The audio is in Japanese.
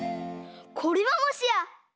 これはもしや！